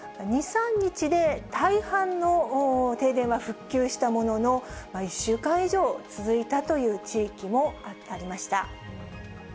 ２、３日で大半の停電は復旧したものの、１週間以上続いたという地域もありました。